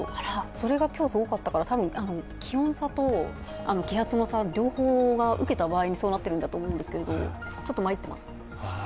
それが今日すごかったから、たぶん気温差と気圧の差、両方受けた場合にそうなっていると思うんですけど、ちょっとまっています。